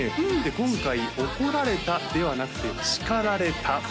今回「怒られた」ではなくて「叱られた」